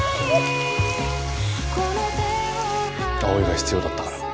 葵が必要だったから。